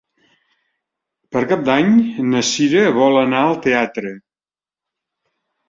Per Cap d'Any na Cira vol anar al teatre.